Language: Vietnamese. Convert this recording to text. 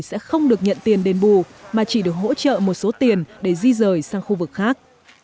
sẽ không được nhận tiền đền bù mà chỉ được hỗ trợ một số tiền để di rời sang khu vực khác